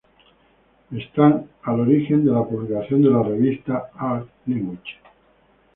Están al origen de la publicación de la revista "Art-Language".